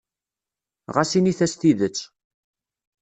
Ɣas init-as tidet.